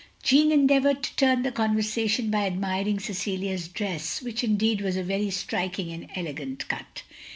Jeanne endeavoured to turn the conversation by admiring Cecilia's dress, which indeed was of a very striking and elegant cut.